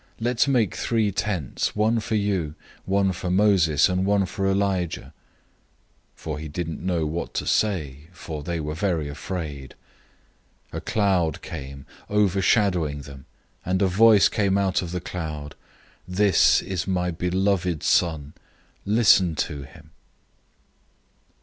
Let's make three tents: one for you, one for Moses, and one for Elijah." 009:006 For he didn't know what to say, for they were very afraid. 009:007 A cloud came, overshadowing them, and a voice came out of the cloud, "This is my beloved Son. Listen to him."